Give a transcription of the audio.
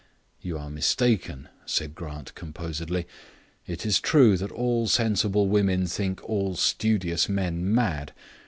"You are mistaken," said Grant composedly. "It is true that all sensible women think all studious men mad.